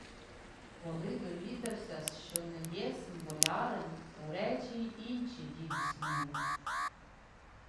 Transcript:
— Коли довідався-с, що не єсмь болярин, то речи й инче, діду Сміле!